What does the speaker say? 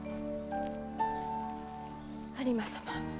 有馬様。